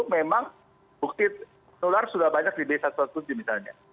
memang bukti menular sudah banyak di b satu ratus tujuh belas misalnya